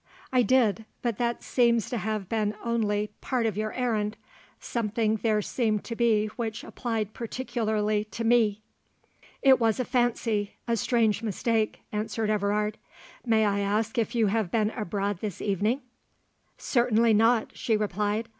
"I did; but that seems to have been only part of your errand—something there seemed to be which applied particularly to me." "It was a fancy—a strange mistake," answered Everard. "May I ask if you have been abroad this evening?" "Certainly not," she replied.